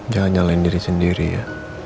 jangan nyalain diri sendiri ya